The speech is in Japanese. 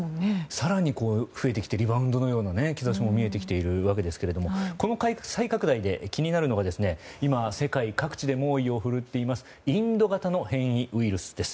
更に増えてきてリバウンドのような兆しも見えてきているわけですがこの再拡大で気になるのが、今世界各地で猛威を振るっていますインド型の変異ウイルスです。